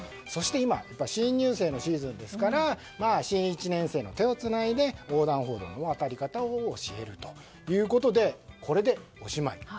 そして今新入生のシーズンですから新１年生の手をつないで横断歩道の渡り方を教えるということでこれでおしまい。